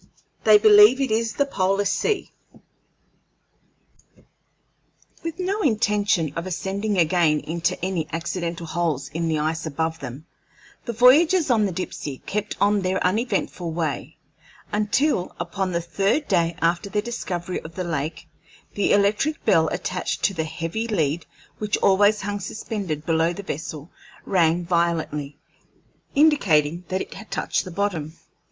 THEY BELIEVE IT IS THE POLAR SEA With no intention of ascending again into any accidental holes in the ice above them, the voyagers on the Dipsey kept on their uneventful way, until, upon the third day after their discovery of the lake, the electric bell attached to the heavy lead which always hung suspended below the vessel, rang violently, indicating that it had touched the bottom.